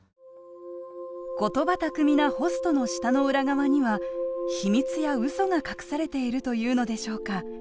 言葉巧みなホストの舌の裏側には秘密やうそが隠されているというのでしょうか。